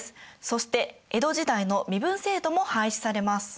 そして江戸時代の身分制度も廃止されます。